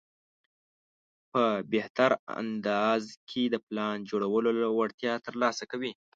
په بهتر انداز کې د پلان جوړولو وړتیا ترلاسه کوي.